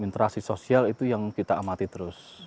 interaksi sosial itu yang kita amati terus